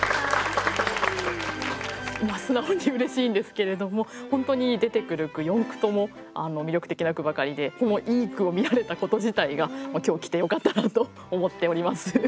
素直にうれしいんですけれども本当に出てくる句４句とも魅力的な句ばかりでこのいい句を見られたこと自体が今日来てよかったなと思っております。